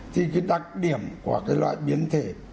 thì cái đặc điểm của cái loại biến thể